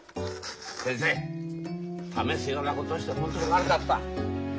先生試すようなことをして本当に悪かった。